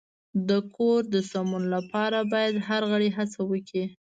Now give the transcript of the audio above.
د کور د سمون لپاره باید هر غړی هڅه وکړي.